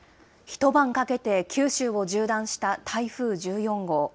一晩かけて九州を縦断した台風１４号。